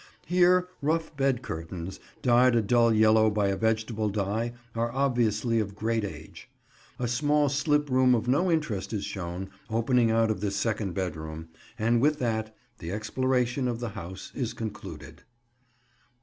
Here rough bed curtains, dyed a dull yellow by a vegetable dye, are obviously of great age. A small slip room of no interest is shown, opening out of this second bedroom, and with that the exploration of the house is concluded.